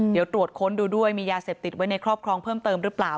เดี๋ยวตรวจค้นดูด้วยมียาเสพติดไว้ในครอบครองเพิ่มเติมหรือเปล่า